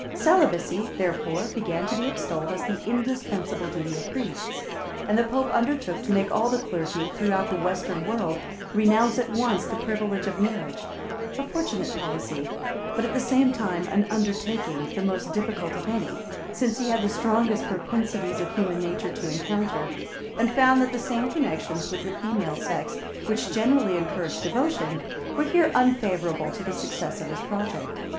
Celibacy, therefore, began to be extolled as the indispensable duty of priests; and the pope undertook to make all the clergy, throughout the western world, renounce at once the privilege of marriage; a fortunate policy, but at the same time an undertaking the most difficult of any, since he had the strongest propensities of human nature to encounter, and found that the same connections with the female sex, which generally encourage devotion, were here unfavorable to the success of his project.